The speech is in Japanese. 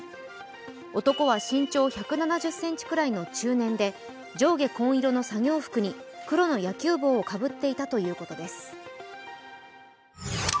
男は慎重１７０ｃｍくらいの中年で上下紺色の作業服に黒の野球帽をかぶっていたということです。